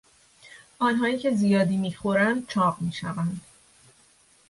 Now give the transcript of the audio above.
آنهایی که زیادی میخورند چاق میشوند.